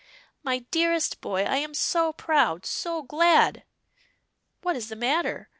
"My dearest boy, I am so proud! so glad! What is the matter?